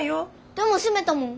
でも閉めたもん。